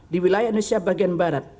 di wilayah indonesia bagian barat